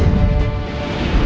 jangan lupa untuk berlangganan